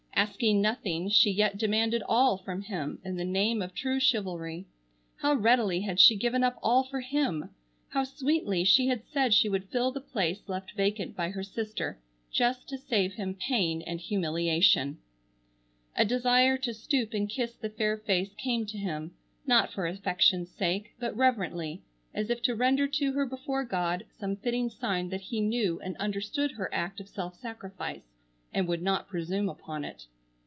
Asking nothing she yet demanded all from him in the name of true chivalry. How readily had she given up all for him! How sweetly she had said she would fill the place left vacant by her sister, just to save him pain and humiliation! A desire to stoop and kiss the fair face came to him, not for affection's sake, but reverently, as if to render to her before God some fitting sign that he knew and understood her act of self sacrifice, and would not presume upon it.